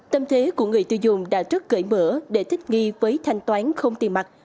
tâm thế của người tiêu dùng đã rất cởi mở để thích nghi với thanh toán không tiền mặt